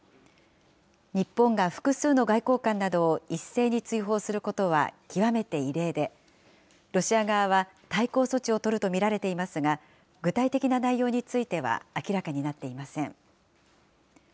日本が複数の外交官などを一斉に追放することは極めて異例で、ロシア側は対抗措置を取ると見られていますが、具体的な内容については明らかになっていません。